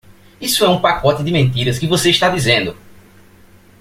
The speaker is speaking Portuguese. Isso é um pacote de mentiras que você está dizendo!